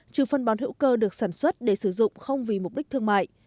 trừ phân bón hữu cơ được sản xuất để sử dụng không vì mục đích thương mại